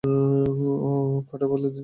উহ, কাঠে বদলে দিতে পারি।